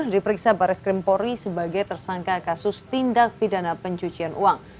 diperiksa baris krimpori sebagai tersangka kasus tindak pidana pencucian uang